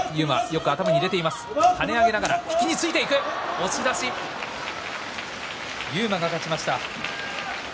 押し出し勇磨が勝ちました。